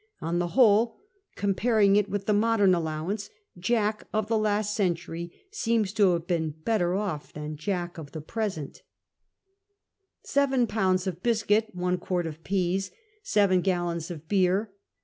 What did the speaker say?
On the whole, comparing it with the modem allowance, Jack of the last century seems to have been better off than Jack of the present 38 CAPTAIN COOK CHAP. Seven pounds of biscuit. Seven gallons of beer.